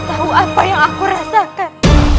tahu apa yang aku rasakan